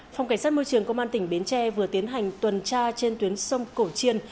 phòng cảnh sát môi trường công an tỉnh bến tre vừa tiến hành tuần tra trên tuyến sông cổ chiên